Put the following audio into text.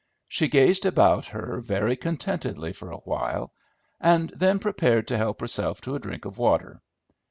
She gazed about her very contentedly for a while, and then prepared to help herself to a drink of water.